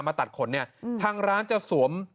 มาตัดขนเนี่ยทางร้านจะสวม